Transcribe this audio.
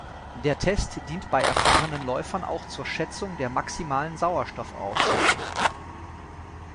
Der Test dient bei erfahrenen Läufern auch zur Schätzung der maximalen Sauerstoffaufnahme.